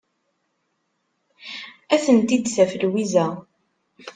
Ad tent-id-taf Lwiza.